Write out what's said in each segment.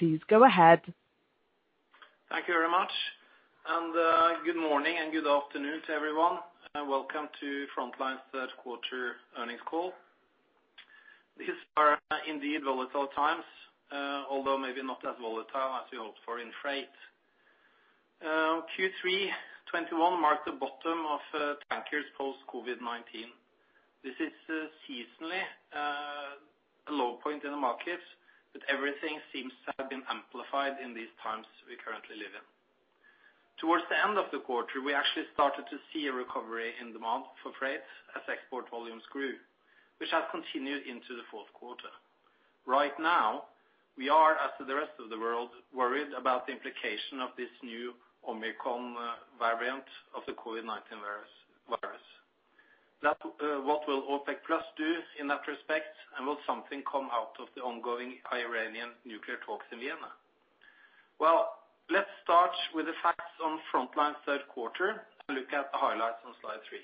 Good morning and good afternoon to everyone, and welcome to Frontline's third quarter earnings call. These are indeed volatile times, although not as volatile as expected in freight markets. Q3 2021 marked the bottom of tankers post COVID-19. This is seasonally a low point in the markets, but everything seems to have been amplified in the current environment. Towards the end of the quarter, we actually started to see a recovery in demand for freight as export volumes grew, which has continued into the fourth quarter. Right now, we are, as the rest of the world, concerned about the implications of the Omicron variant of the COVID-19 virus, what OPEC+ will do in that respect, and whether something will come out of the ongoing Iranian nuclear talks in Vienna. Well, let's start with the facts on Frontline's third quarter and look at the highlights on slide 3.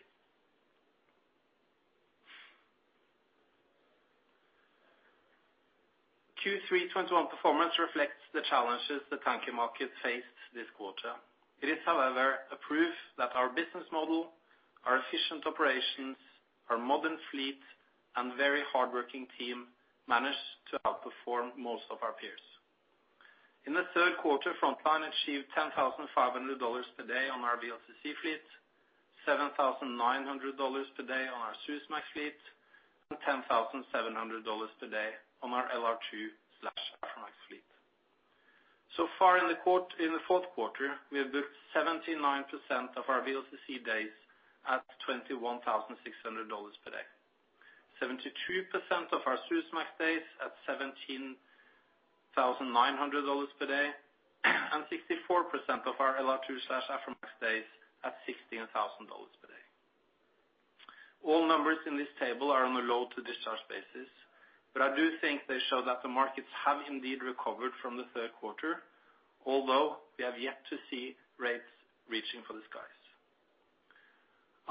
Q3 2021 performance reflects the challenges the tanker market faced this quarter. It is, however, proof that our business model our efficient operations, our modern fleet, and very hard-working team managed to outperform most of our peers. In the third quarter, Frontline achieved $10,500 per day on our VLCC fleet, $7,900 per day on our Suezmax fleet, and $10,700 per day on our LR2/Aframax fleet. So far in the fourth quarter, we have booked 79% of our VLCC days at $21,600 per day, 72% of our Suezmax days at $17,900 per day, and 64% of our LR2/Aframax days at $16,000 per day. All numbers in this table are on a load to discharge basis, but I do think they show that the markets have indeed recovered from the third quarter although rates have not yet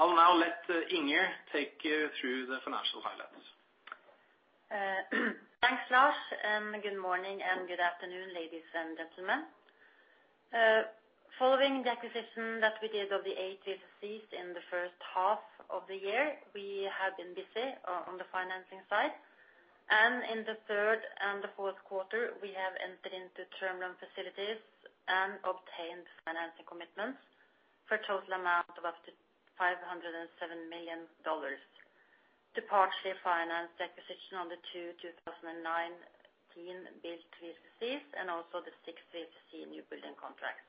reached elevated levels.I will now hand over to Inger to review the financial highlights. Thanks, Lars, and good morning and good afternoon, ladies and gentlemen. Following the acquisition of eight VLCCs in the first half of the year, we have been busy on the financing side. In the third and the fourth quarter, we have entered into term loan facilities and obtained financing commitments for a total amount of up to $507 million to partially finance the acquisition of the two 2019-built VLCCs and also the 6 VLCC newbuilding contracts.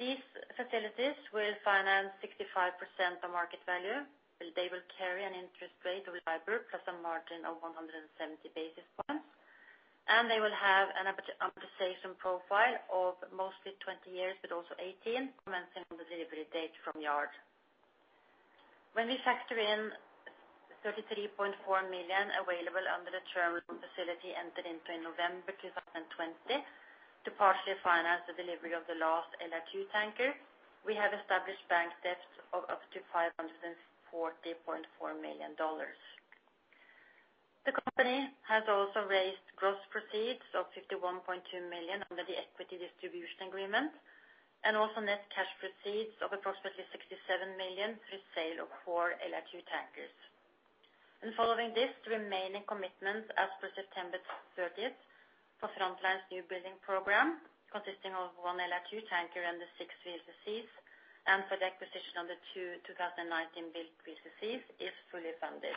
These facilities will finance 65% of market value. They will carry an interest rate of LIBOR plus a margin of 170 basis points, and they will have an amortization profile of mostly 20 years, but also 18, commencing on the delivery date from yard. When we factor in $33.4 million available under the term loan facility entered into in November 2020 to partially finance the delivery of the last LR2 tanker, we have established bank debts of up to $540.4 million. The company has also raised gross proceeds of $51.2 million under the equity distribution agreement and also net cash proceeds of approximately $67 million through sale of 4 LR2 tankers. Following this, the remaining commitments as per September 30th for Frontline's newbuilding program, consisting of 1 LR2 tanker and the 6 VLCCs and for the acquisition of the two 2019-built VLCCs, is fully funded.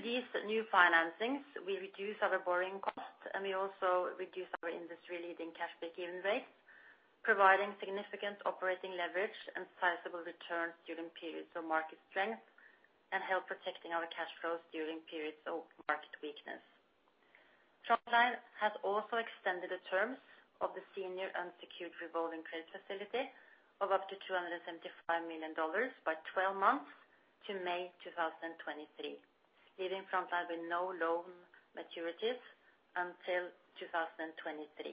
Through these new financings, we reduce our borrowing costs, and we also reduce our industry-leading cash break-even rates, providing significant operating leverage and sizable returns during periods of market strength and help protecting our cash flows during periods of market weakness. Frontline has also extended the terms of the senior unsecured revolving credit facility of up to $275 million by 12 months to May 2023, leaving Frontline with no loan maturities until 2023.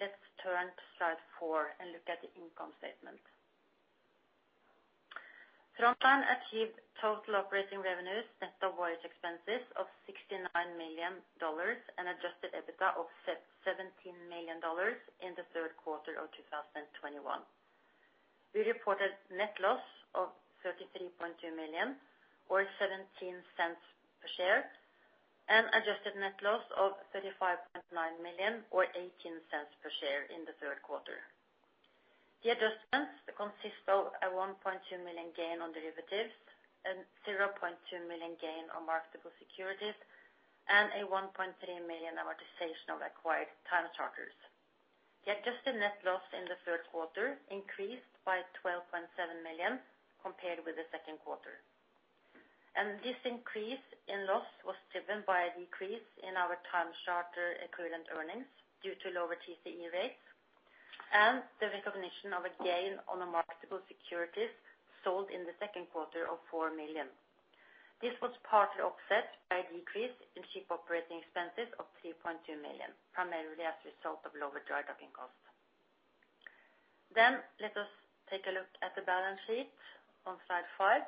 Let's turn to slide four and look at the income statement. Frontline achieved total operating revenues net of voyage expenses of $69 million and adjusted EBITDA of $17 million in the third quarter of 2021. We reported net loss of $33.2 million or $0.17 per share and adjusted net loss of $35.9 million or $0.18 per share in the third quarter. The adjustments consist of a $1.2 million gain on derivatives, a $0.2 million gain on marketable securities, and a $1.3 million amortization of acquired time charters. The adjusted net loss in the third quarter increased by $12.7 million compared with the second quarter. This increase in loss was driven by a decrease in our time charter equivalent earnings due to lower TCE rates and the recognition of a gain on the marketable securities sold in the second quarter of $4 million. This was partly offset by a decrease in ship operating expenses of $3.2 million, primarily as a result of lower dry docking costs. Let us take a look at the balance sheet on slide five.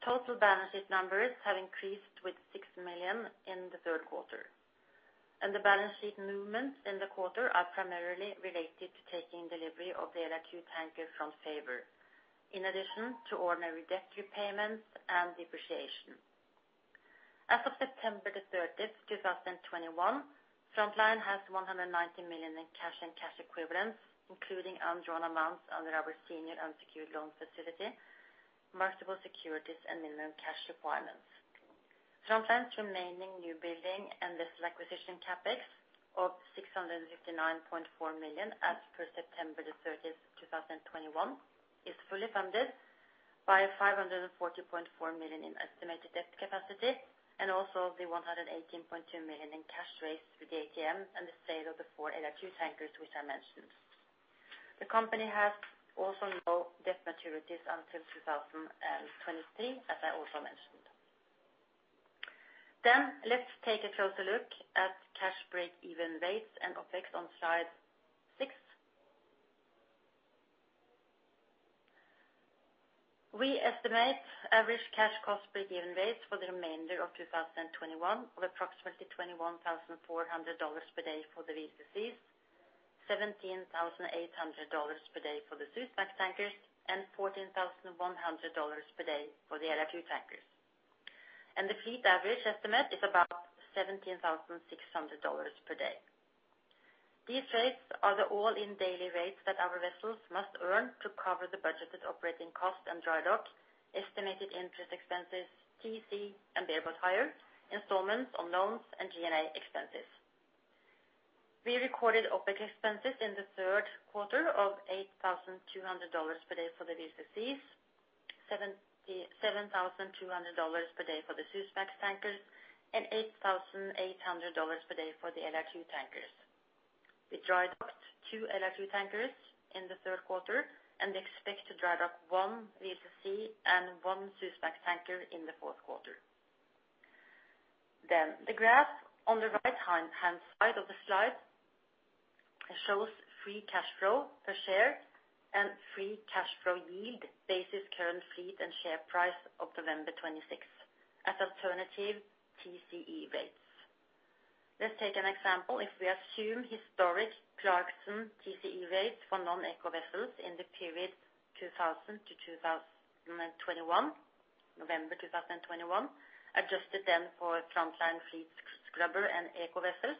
The total balance sheet numbers have increased by $6 million in the third quarter, and the balance sheet movements in the quarter are primarily related to taking delivery of the LR2 tanker from Front Favour, in addition to ordinary debt repayments and depreciation. As of September the thirtieth, two thousand and twenty-one, Frontline has $190 million in cash and cash equivalents, including undrawn amounts under our senior unsecured loan facility, marketable securities and minimum cash requirements. Frontline's remaining new building and vessel acquisition CapEx of $659.4 million as per September the thirtieth, two thousand and twenty-one, is fully funded by $540.4 million in estimated debt capacity and also the $118.2 million in cash raised through the ATM and the sale of the 4 LR2 tankers which I mentioned. The company has also no debt maturities until 2023, as I also mentioned. Let's take a closer look at cash breakeven rates and OpEx on slide six. We estimate average cash cost breakeven rates for the remainder of 2021 of approximately $21,400 per day for the VLCCs, $17,800 per day for the Suezmax tankers, and $14,100 per day for the LR2 tankers. The fleet average estimate is about $17,600 per day. These rates are the all-in daily rates that our vessels must earn to cover the budgeted operating cost and dry dock, estimated interest expenses, TC and bareboat hires, installments on loans and G&A expenses. We recorded OpEx expenses in the third quarter of $8,200 per day for the VLCCs, $77,200 per day for the Suezmax tankers and $8,800 per day for the LR2 tankers. We dry docked 2 LR2 tankers in the third quarter and expect to dry dock 1 VLCC and 1 Suezmax tanker in the fourth quarter. The graph on the right-hand side of the slide shows free cash flow per share and free cash flow yield based on current fleet and share price of November 26 at alternative TCE rates. Let's take an example. If we assume historic Clarksons TCE rates for non-eco vessels in the period 2000 to 2021, November 2021, adjusted then for Frontline fleet scrubber and eco vessels,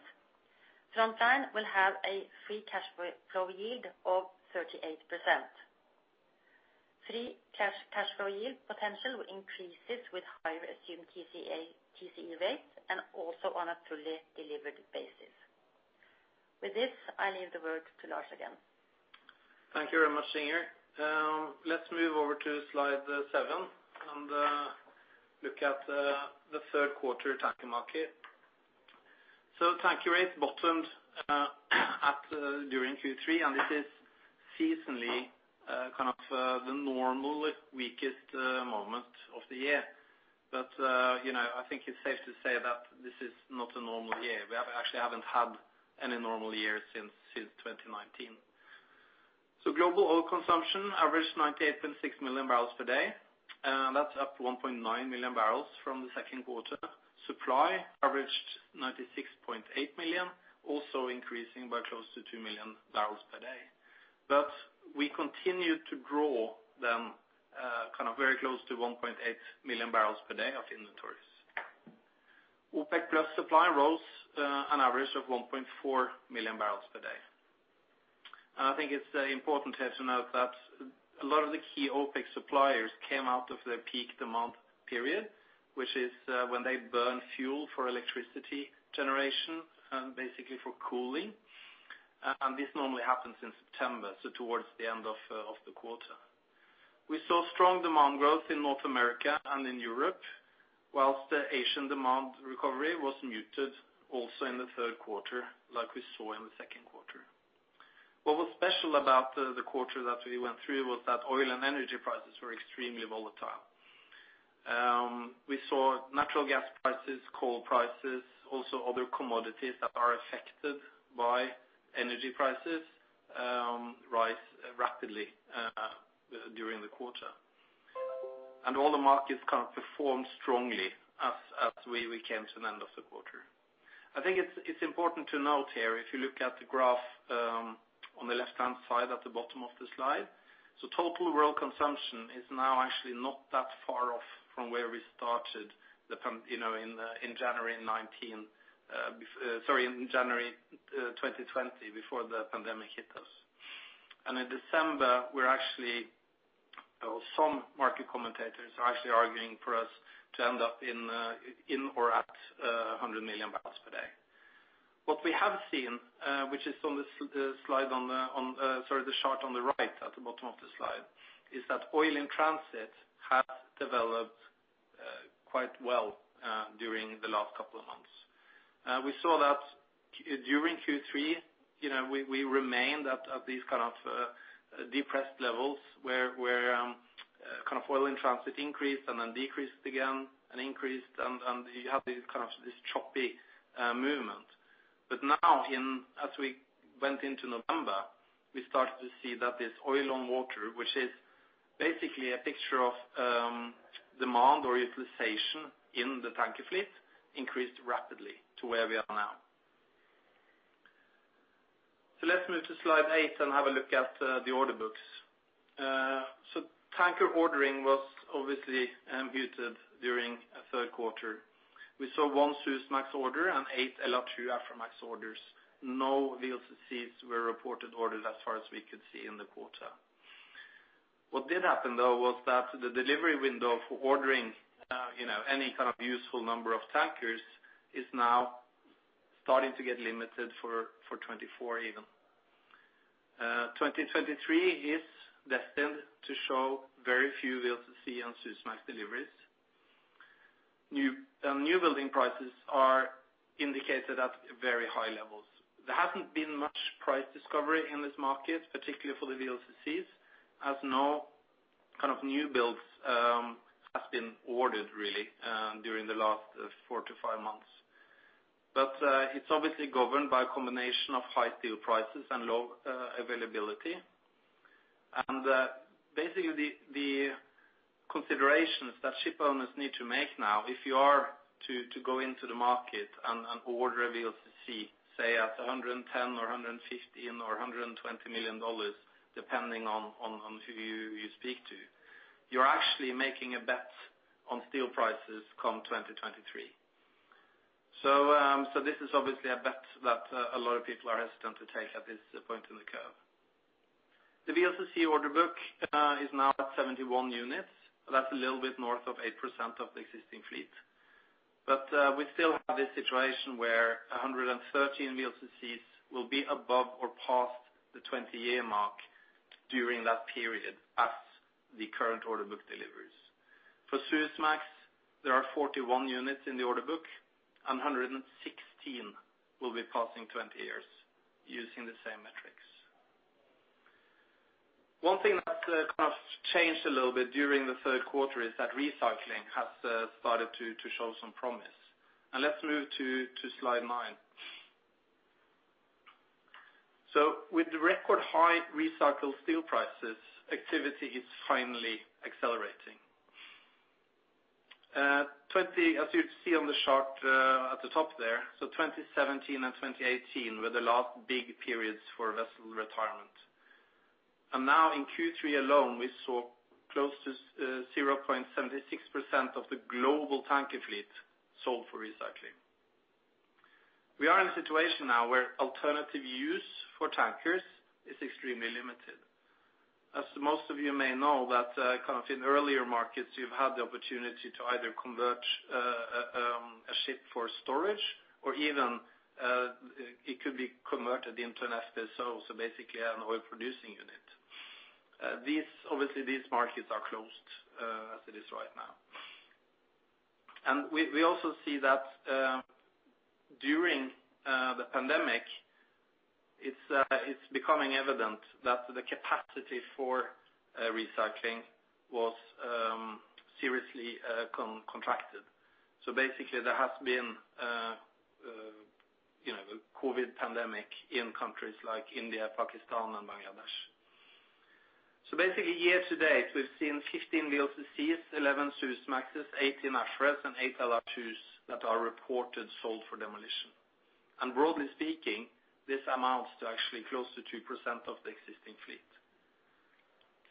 Frontline will have a free cash flow yield of 38%. Free cash flow yield potential increases with higher assumed TCE rates and also on a fully delivered basis. With this, I leave the word to Lars again. Thank you very much, Inger. Let's move over to slide seven and look at the third quarter tanker market. Tanker rates bottomed out during Q3, and this is seasonally typically the weakest period of the year. I think it's safe to say that this is not a normal year. We actually haven't had any normal year since 2019. Global oil consumption averaged 98.6 million barrels per day, that's up 1.9 million barrels from the second quarter. Supply averaged 96.8 million, also increasing by close to 2 million barrels per day. We continued to grow them kind of very close to 1.8 million barrels per day of inventories. OPEC+ supply rose an average of 1.4 million barrels per day. I think it's important here to note that a lot of the key OPEC suppliers came out of their peak demand period, which is when they burn fuel for electricity generation and basically for cooling. This normally happens in September, so towards the end of the quarter. We saw strong demand growth in North America and in Europe, while the Asian demand recovery was muted also in the third quarter like we saw in the second quarter. What was special about the quarter that we went through was that oil and energy prices were extremely volatile. We saw natural gas prices, coal prices, also other commodities that are affected by energy prices, rise rapidly during the quarter. All the markets kind of performed strongly as we came to the end of the quarter. I think it's important to note here, if you look at the graph on the left-hand side at the bottom of the slide. Total world consumption is now actually not that far off from where we started, in January 2020 before the pandemic hit us. In December, we're actually. Some market commentators are actually arguing for us to end up in or at 100 million barrels per day. What we have seen, which is on the chart on the right at the bottom of the slide, is that oil in transit has developed quite well during the last couple of months. We saw that during Q3, we remained at these kind of depressed levels where kind of oil in transit increased and then decreased again and increased and you have these kind of choppy movement. Now as we went into November, we started to see that this oil on water, which is basically a picture of demand or utilization in the tanker fleet, increased rapidly to where we are now. Let's move to slide 8 and have a look at the order books. Tanker ordering was obviously muted during third quarter. We saw 1 Suezmax order and 8 LR2 Aframax orders. No VLCC orders were reported as far as we could see in the quarter. What did happen, though, was that the delivery window for ordering, any kind of useful number of tankers is now starting to get limited for 2024 even. 2023 is destined to show very few VLCC and Suezmax deliveries. Newbuilding prices are indicated at very high levels. There hasn't been much price discovery in this market, particularly for the VLCCs, as no kind of newbuilds has been ordered really during the last four to five months. It's obviously governed by a combination of high steel prices and low availability. Basically the considerations that ship owners need to make now, if you are to go into the market and order a VLCC, say at $110 million, $115 million, or $120 million, depending on who you speak to, you're actually making a bet on steel prices come 2023. This is obviously a bet that a lot of people are hesitant to take at this point in the curve. The VLCC order book is now at 71 units. That's a little bit north of 8% of the existing fleet. We still have this situation where 113 VLCCs will be above or past the 20-year mark during that period as the current order book delivers. For Suezmax, there are 41 units in the order book, and 116 will be passing 20 years using the same metrics. One thing that kind of changed a little bit during the third quarter is that recycling has started to show some promise. Let's move to slide nine. With the record high recycled steel prices, activity is finally accelerating. As you see on the chart at the top there, 2017 and 2018 were the last big periods for vessel retirement. Now in Q3 alone, we saw close to 0.76% of the global tanker fleet sold for recycling. We are in a situation now where alternative use for tankers is extremely limited. As most of you may know that kind of in earlier markets, you've had the opportunity to either convert a ship for storage or even it could be converted into an FSO, so basically an oil-producing unit. These markets are obviously closed as it is right now. We also see that during the pandemic, it's becoming evident that the capacity for recycling was seriously contracted. Basically, there has been you know a COVID pandemic in countries like India, Pakistan, and Bangladesh. Year-to-date, we've seen 15 VLCCs, 11 Suezmaxes, 18 Aframaxes, and 8 LR2s that are reported sold for demolition. Broadly speaking, this amounts to actually close to 2% of the existing fleet.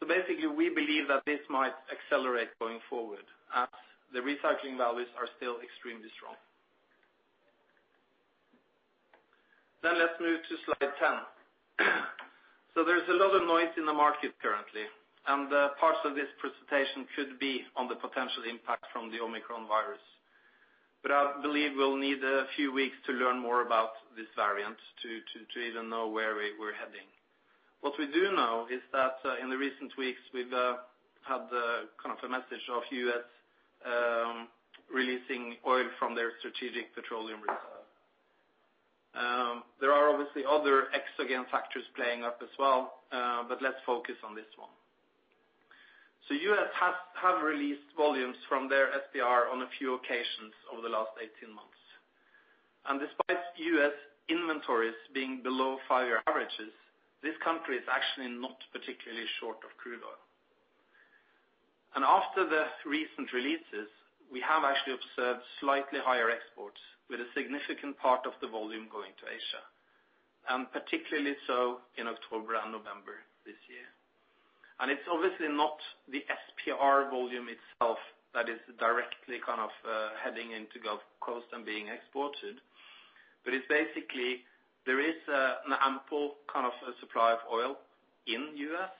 Basically, we believe that this might accelerate going forward as the recycling values are still extremely strong. Let's move to slide 10. There's a lot of noise in the market currently, and parts of this presentation could be on the potential impact from the Omicron virus. I believe we'll need a few weeks to learn more about this variant to even know where we're heading. What we do know is that in the recent weeks, we've had kind of a message of U.S. releasing oil from their Strategic Petroleum Reserve. There are obviously other exogenous factors at play as well, but let's focus on this one. U.S. has released volumes from their SPR on a few occasions over the last 18 months. Despite U.S. inventories being below five-year averages, this country is actually not particularly short of crude oil. After the recent releases, we have actually observed slightly higher exports with a significant part of the volume going to Asia, and particularly so in October and November this year. It's obviously not the SPR volume itself that is directly heading into Gulf Coast and being exported. It's basically there is an ample kind of supply of oil in U.S.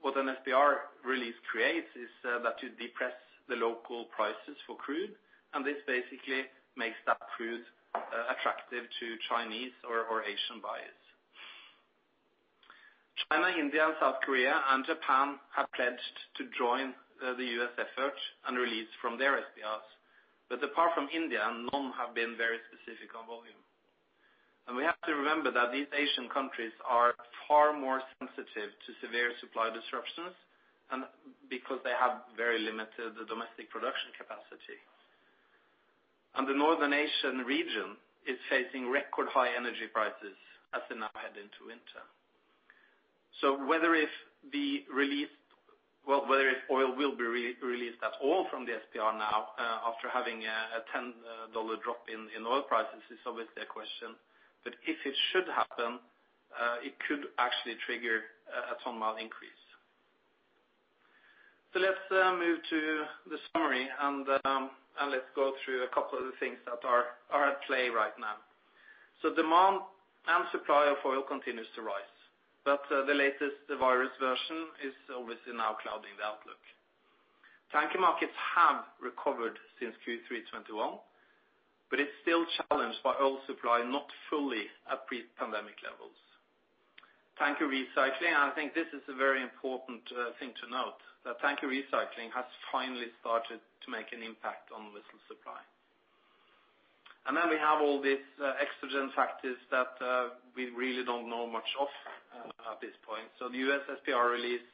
What an SPR release creates is that you depress the local prices for crude, and this basically makes that crude attractive to Chinese or Asian buyers. China, India, and South Korea and Japan have pledged to join the U.S. effort and release from their SPRs. Apart from India, none have been very specific on volume. We have to remember that these Asian countries are far more sensitive to severe supply disruptions and because they have very limited domestic production capacity. The Northern Asian region is facing record high energy prices as they now head into winter. Whether oil will be re-released at all from the SPR now, after having a $10 drop in oil prices is obviously a question. If it should happen, it could actually trigger a ton-mile increase. Let's move to the summary, and let's go through a couple of the things that are at play right now. Demand and supply of oil continues to rise, but the latest virus version is obviously now clouding the outlook. Tanker markets have recovered since Q3 2021, but it's still challenged by oil supply not fully at pre-pandemic levels. Tanker recycling, I think this is a very important thing to note, that tanker recycling has finally started to make an impact on vessel supply. We have all these exogenous factors that we really don't know much about at this point. The U.S. SPR release,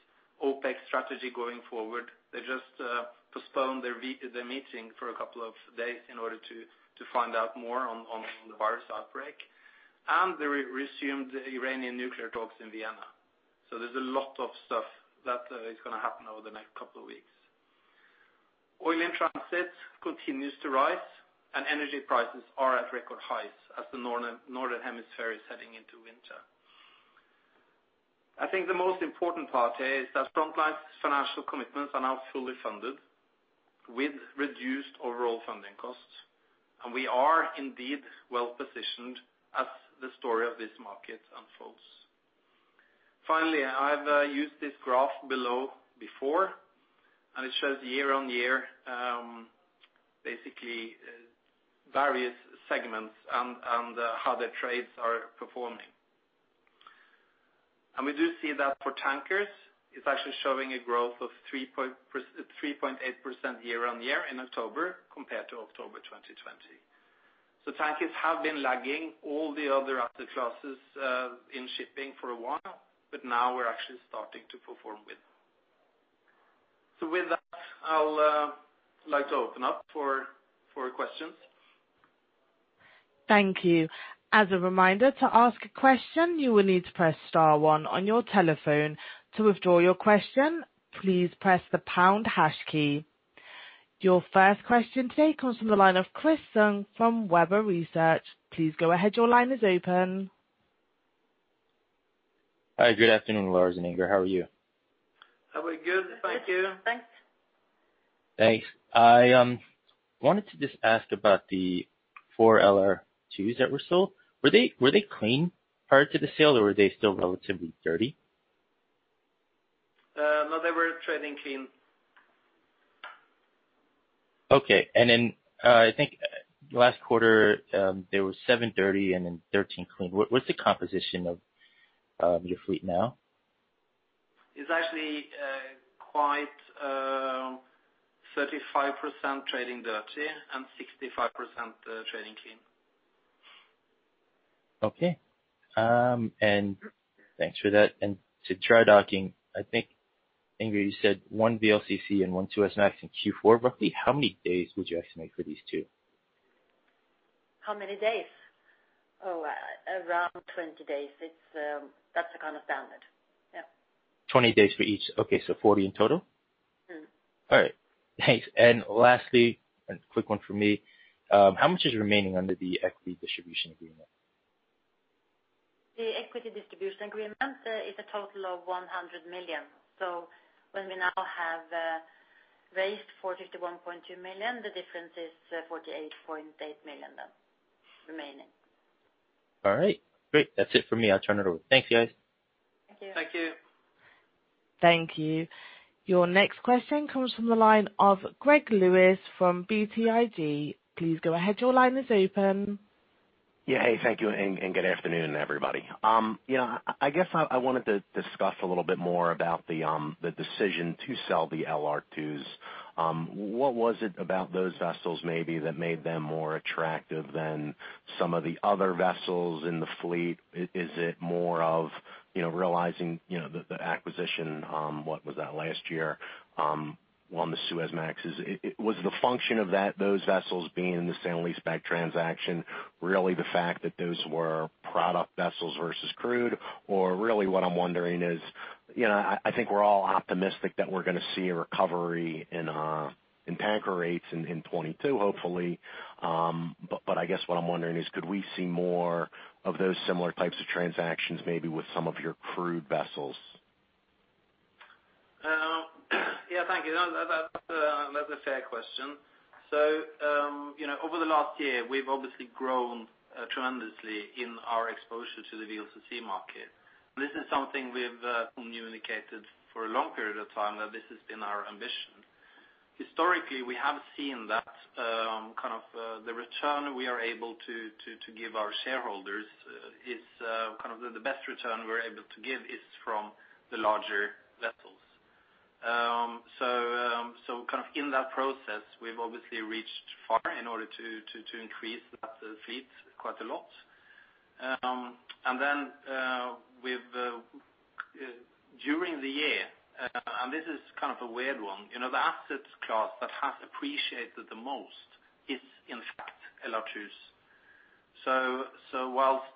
OPEC's strategy going forward. They just postponed their meeting for a couple of days in order to find out more on the virus outbreak. They resumed Iranian nuclear talks in Vienna. There's a lot of stuff that is going to happen over the next couple of weeks. Oil in transit continues to rise, and energy prices are at record highs as the Northern Hemisphere is heading into winter. I think the most important part here is that Frontline's financial commitments are now fully funded with reduced overall funding costs, and we are indeed well-positioned as the story of this market unfolds. Finally, I've used this graph below before, and it shows year-on-year basically various segments and how their trades are performing. We do see that for tankers, it's actually showing a growth of 3.8% year-on-year in October compared to October 2020. Tankers have been lagging all the other asset classes in shipping for a while, but now we're actually starting to perform with them. With that, I'll like to open up for questions. Hi, good afternoon, Lars and Inger. How are you? How are you? Good, thank you. Good. Thanks. Thanks. I wanted to just ask about the 4 LR2s that were sold. Were they clean prior to the sale, or were they still relatively dirty? No, they were trading clean. Okay. I think last quarter, there was 7 dirty and then 13 clean. What's the composition of your fleet now? It's actually quite 35% trading dirty and 65% trading clean. Okay. Thanks for that. To drydocking, I think, Inger, you said one VLCC and two Suezmax in Q4, roughly. How many days would you estimate for these two? How many days? Oh, around 20 days. That's the kind of standard. Yeah. 20 days for each. Okay. 40 in total. Mm-hmm. All right. Thanks. Lastly, a quick one for me, how much is remaining under the equity distribution agreement? The equity distribution agreement is a total of $100 million. When we now have raised $41.2 million, the difference is $48.8 million then remaining. All right. Great. That's it for me. I'll turn it over. Thanks, guys. Thank you. Thank you. Yeah. Hey, thank you, and good afternoon, everybody. I guess I wanted to discuss a little bit more about the decision to sell the LR2s. What was it about those vessels maybe that made them more attractive than some of the other vessels in the fleet? Is it more of you know realizing the acquisition, what was that? Last year, on the Suezmaxes. It was the function of that, those vessels being in the sale and leaseback transaction, really the fact that those were product vessels versus crude or really what I'm wondering is, I think we're all optimistic that we're going to see a recovery in tanker rates in 2022, hopefully. I guess what I'm wondering is could we see more of those similar types of transactions, maybe with some of your crude vessels? Yeah, thank you. No, that's a fair question. Over the last year, we've obviously grown tremendously in our exposure to the VLCC market. This is something we've communicated for a long period of time, that this has been our ambition. Historically, we have seen that kind of the return we are able to give our shareholders is kind of the best return we're able to give is from the larger vessels. Kind of in that process, we've obviously reached far in order to increase that fleet quite a lot. Then, during the year, and this is kind of a weird one, the asset class that has appreciated the most is, in fact, LR2s. Whilst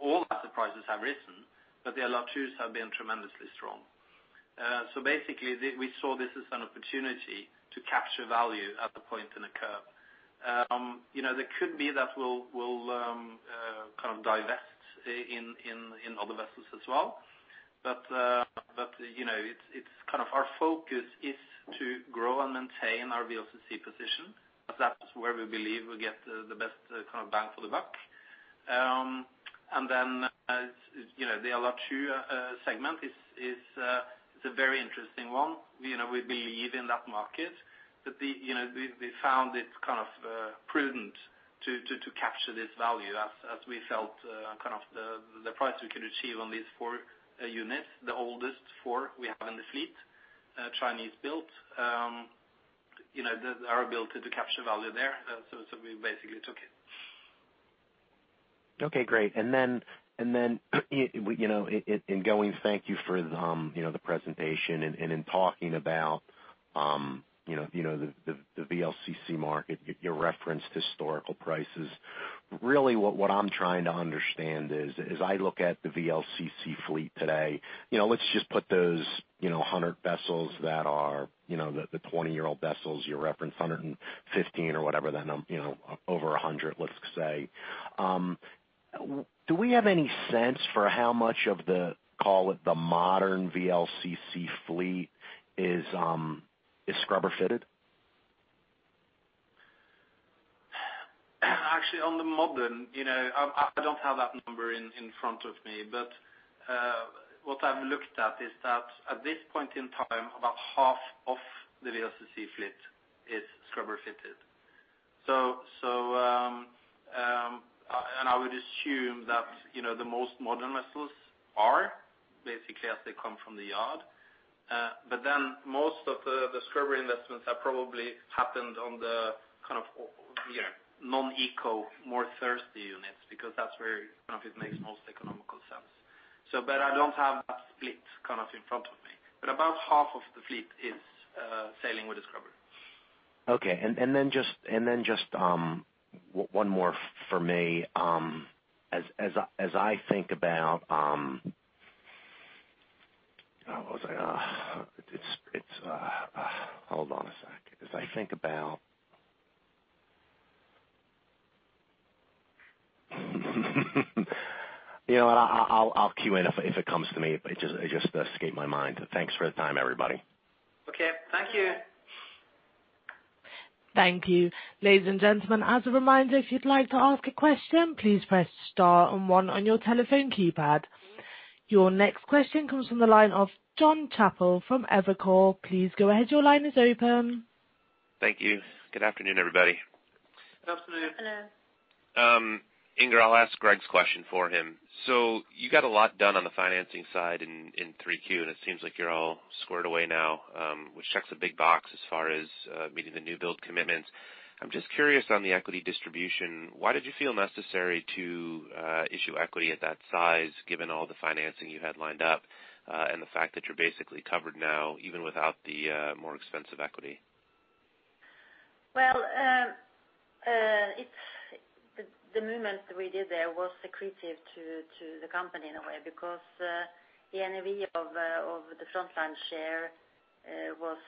all asset prices have risen, but the LR2s have been tremendously strong. Basically we saw this as an opportunity to capture value at the point in the curve. There could be that we'll kind of divest in other vessels as well. It's kind of our focus is to grow and maintain our VLCC position, because that's where we believe we get the best kind of bang for the buck. As the LR2 segment is a very interesting one. we believe in that market, but we found it kind of prudent to capture this value as we felt kind of the price we could achieve on these four units, the oldest four we have in the fleet, Chinese built, our ability to capture value there. We basically took it. Okay, great. Then, thank you for the presentation and in talking about, the VLCC market, your reference to historical prices. Really what I'm trying to understand is, as I look at the VLCC fleet today, let's just put those, 100 vessels that are, the 20-year-old vessels, you referenced 115 or whatever, over 100 let's say. Do we have any sense for how much of the, call it the modern VLCC fleet is scrubber fitted? Actually, on the modern, I don't have that number in front of me, but what I've looked at is that at this point in time, about half of the VLCC fleet is scrubber fitted. I would assume that, the most modern vessels are basically as they come from the yard. But then most of the scrubber investments have probably happened on the kind of, non-eco, more thirsty units because that's where kind of it makes most economical sense. But I don't have that split kind of in front of me, but about half of the fleet is sailing with a scrubber. Okay. Then just one more for me. As I think about you know what? I'll cue in if it comes to me. It just escaped my mind. Thanks for the time, everybody. Okay. Thank you. Thank you. Good afternoon, everybody. Afternoon. Inger, I'll ask Greg's question for him. You got a lot done on the financing side in Q3, and it seems like you're all squared away now, which checks a big box as far as meeting the new build commitments. I'm just curious on the equity distribution, why did you feel necessary to issue equity at that size, given all the financing you had lined up, and the fact that you're basically covered now even without the more expensive equity? Well, the movement we did there was accretive to the company in a way because the NAV of the Frontline share was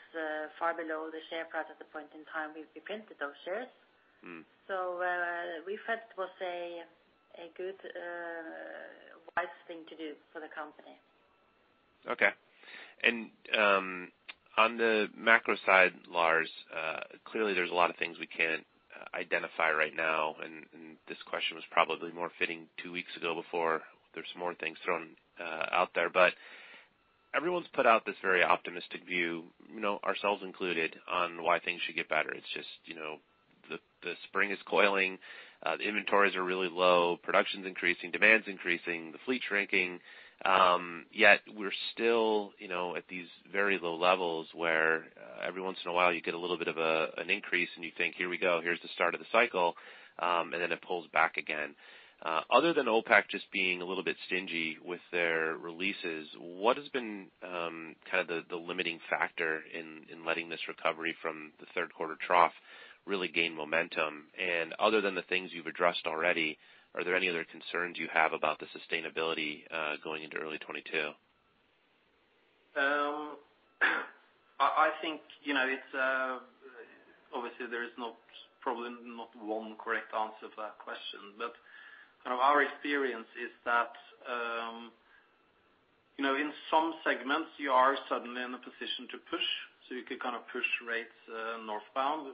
far below the share price at the point in time we printed those shares. Mm. Refi was a good wise thing to do for the company. Okay. On the macro side, Lars, clearly there's a lot of things we can't identify right now, and this question was probably more fitting two weeks ago before there's more things thrown out there. But everyone's put out this very optimistic view, ourselves included, on why things should get better. It's just, the spring is coiling, the inventories are really low, production's increasing, demand's increasing, the fleet's shrinking. Yet we're still, at these very low levels where every once in a while you get a little bit of an increase and you think, "Here we go. Here's the start of the cycle." Then it pulls back again. Other than OPEC just being a little bit stingy with their releases, what has been kind of the limiting factor in letting this recovery from the third quarter trough really gain momentum? Other than the things you've addressed already, are there any other concerns you have about the sustainability going into early 2022? I think, it's obviously there is not, probably not one correct answer to that question. But our experience is that, in some segments you are suddenly in a position to push, so you can kind of push rates northbound.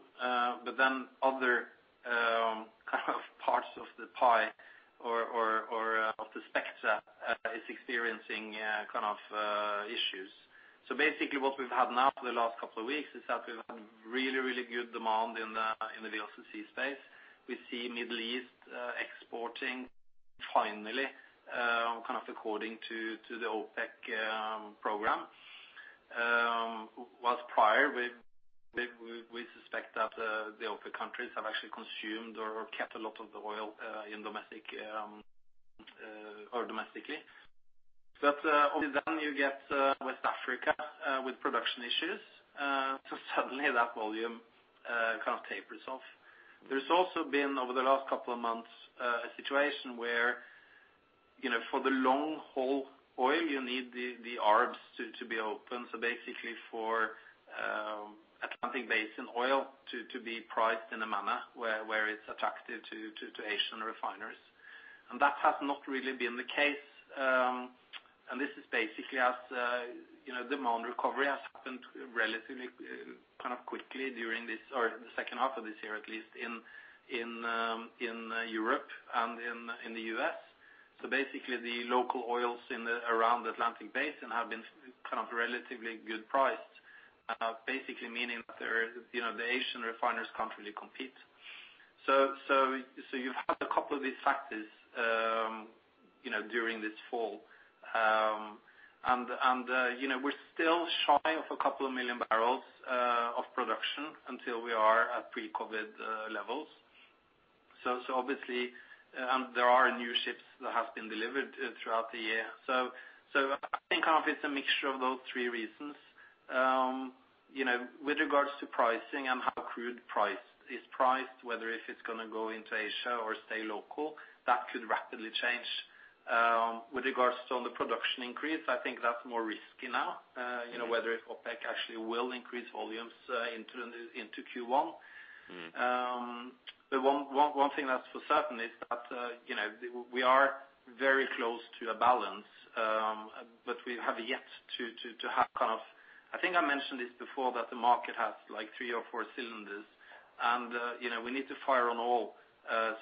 But then other kind of parts of the pie or of the spectrum is experiencing kind of issues. Basically what we've had now for the last couple of weeks is that we've had really good demand in the VLCC space. We see Middle East exporting finally kind of according to the OPEC program. While prior we suspect that the OPEC countries have actually consumed or kept a lot of the oil in domestic or domestically. You get West Africa with production issues. Suddenly that volume kind of tapers off. There's also been over the last couple of months a situation where, for the long-haul oil you need the Arbs to be open. Basically for Atlantic Basin oil to be priced in a manner where it's attractive to Asian refiners. That has not really been the case. This is basically as, demand recovery has happened relatively kind of quickly during this or the second half of this year, at least in Europe and in the U.S. Basically the local oils in and around Atlantic Basin have been kind of relatively well priced, basically meaning that they're, the Asian refiners can't really compete. You've had a couple of these factors, during this fall. We're still shy of a couple of million barrels of production until we are at pre-COVID levels. Obviously, there are new ships that have been delivered throughout the year. I think it's a mixture of those three reasons. With regards to pricing and how crude price is priced, whether if it's going to go into Asia or stay local, that could rapidly change. With regards to the production increase, I think that's more risky now, whether if OPEC actually will increase volumes into Q1. Mm. One thing that's for certain is that, we are very close to a balance. We have yet to have kind of. I think I mentioned this before, that the market has like three or four cylinders and, we need to fire on all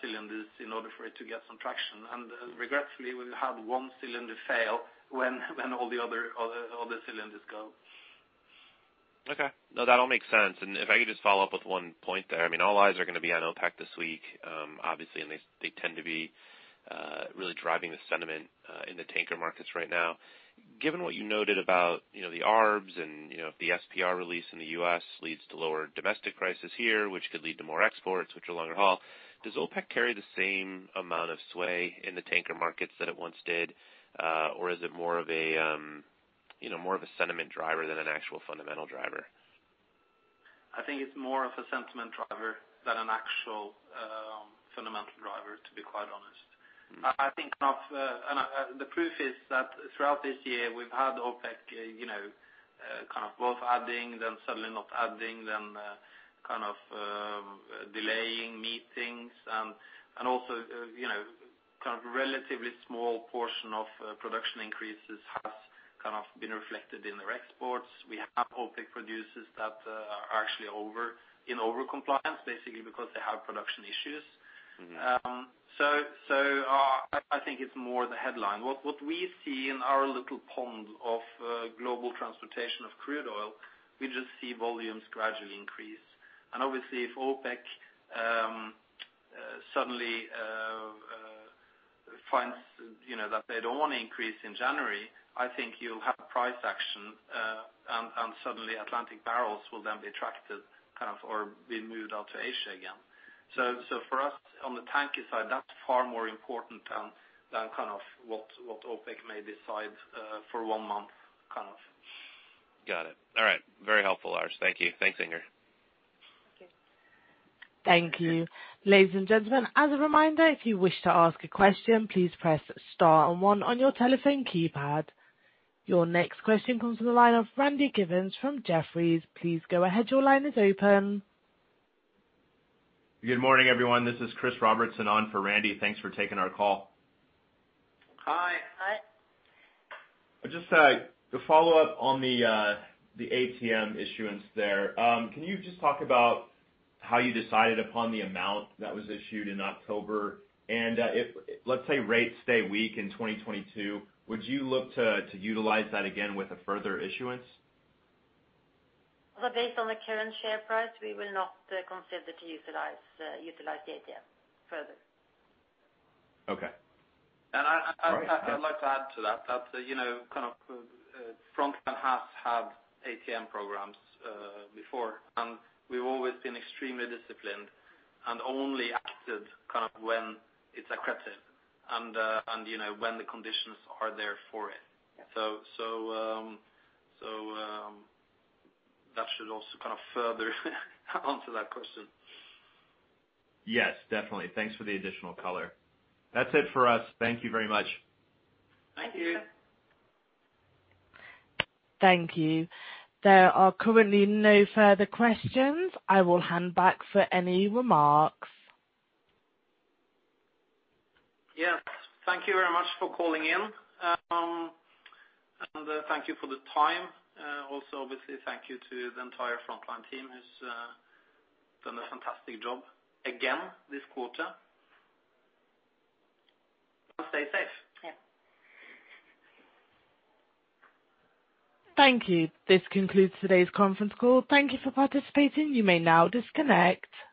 cylinders in order for it to get some traction. Regretfully, we had one cylinder fail when all the other cylinders go. Okay. No, that all makes sense. If I could just follow up with one point there. I mean, all eyes are going to be on OPEC this week. Obviously. They tend to be really driving the sentiment in the tanker markets right now. Given what you noted about, the Arbs and, if the SPR release in the U.S. leads to lower domestic prices here, which could lead to more exports, which are longer haul. Does OPEC carry the same amount of sway in the tanker markets that it once did? Or is it more of a, more of a sentiment driver than an actual fundamental driver? I think it's more of a sentiment driver than an actual, fundamental driver, to be quite honest. Mm. The proof is that throughout this year we've had OPEC, kind of both adding then suddenly not adding, then kind of delaying meetings. Also, kind of relatively small portion of production increases has kind of been reflected in their exports. We have OPEC producers that are actually in over-compliance, basically because they have production issues. Mm-hmm. I think it's more the headline. What we see in our little pond of global transportation of crude oil, we just see volumes gradually increase. Obviously if OPEC suddenly finds, that they don't want to increase in January, I think you'll have price action, and suddenly Atlantic barrels will then be attracted kind of, or be moved out to Asia again. For us on the tanker side, that's far more important than kind of what OPEC may decide for one month kind of. Got it. All right. Very helpful, Lars. Thank you. Thanks, Inger. Thank you. Good morning, everyone. This is Chris Robertson on for Randy Giveans on for Randy. Thanks for taking our call. Hi. Hi. Just to follow up on the ATM issuance there. Can you just talk about how you decided upon the amount that was issued in October? If, let's say rates stay weak in 2022, would you look to utilize that again with a further issuance? Well, based on the current share price, we will not consider to utilize the ATM further. Okay. I'd like to add to that, kind of Frontline has had ATM programs before, and we've always been extremely disciplined and only acted kind of when it's accretive and, when the conditions are there for it. That should also kind of further answer that question. Yes, definitely. Thanks for the additional color. That's it for us. Thank you very much. Thank you. Thank you. Yes, thank you very much for calling in. Thank you for the time. Also, obviously, thank you to the entire Frontline team who's done a fantastic job again this quarter. Stay safe. Yeah.